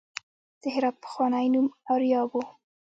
د هرات پخوانی نوم اریا و